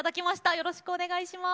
よろしくお願いします。